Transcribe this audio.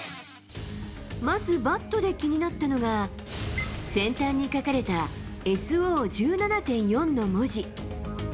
まずバットで気になったのが、先端に書かれたＳＯ１７．４の文字。